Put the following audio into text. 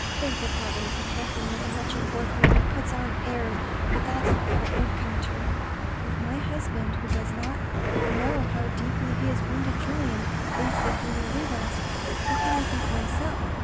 Think of having to reckon with a wretched workman who puts on airs, but that's what we've come to." " If my husband, who does not know how deeply he has wounded Julien, thinks that he will leave us, what can I think myself?"